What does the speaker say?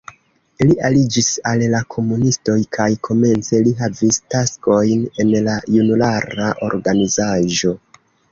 Li aliĝis al la komunistoj kaj komence li havis taskojn en la junulara organizaĵo.